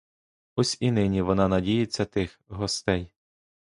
Ось і нині вона надіється тих гостей.